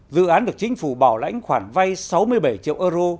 dự án được chính phủ bảo lãnh khoản vay sáu mươi bảy triệu euro